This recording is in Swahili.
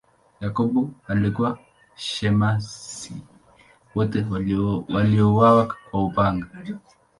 Yakobo alikuwa shemasi, wote waliuawa kwa upanga.